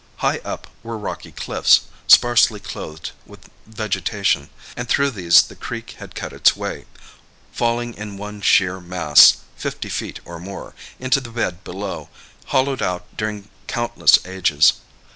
High up were rocky cliffs, sparsely clothed with vegetation, and through these the creek had cut its way, falling in one sheer mass, fifty feet or more, into the bed below, hollowed out by it during countless ages.